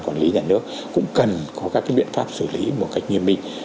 một lần nữa xin cảm ơn phó giáo sư